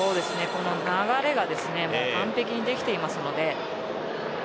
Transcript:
この流れが完璧にできているので。